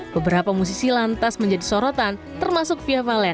beberapa musisi lantas menjadi sorotan termasuk fia valen